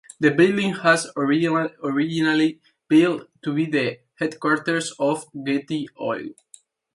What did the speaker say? The building was originally built to be the headquarters of Getty Oil.